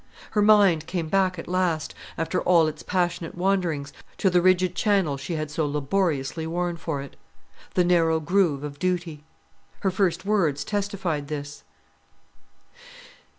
Her mind came back at last, after all its passionate wanderings, to the rigid channel she had so laboriously worn for it, the narrow groove of duty. Her first words testified this.